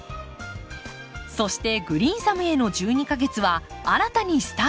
そして「グリーンサムへの１２か月」は新たにスタート！